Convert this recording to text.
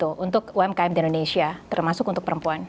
untuk umkm di indonesia termasuk untuk perempuan